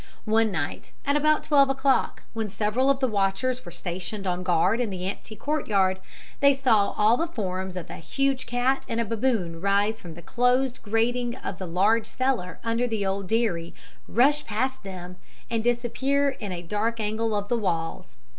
One night, at about twelve o'clock, when several of the watchers were stationed on guard in the empty courtyard, they all saw the forms of a huge cat and a baboon rise from the closed grating of the large cellar under the old dairy, rush past them, and disappear in a dark angle of the walls.